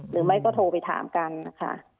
หรือไม่ก็โทรไปถามกันนะคะ